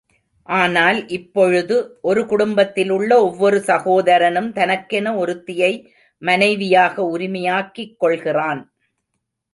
ஆனால் இப்பொழுது ஒரு குடும்பத்திலுள்ள ஒவ்வொரு சகோதரனும் தனக்கென ஒருத்தியை மனைவியாக உரிமையாக்கிக் கொள்கிறான்.